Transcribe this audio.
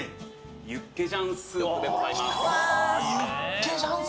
ユッケジャンスープでございます。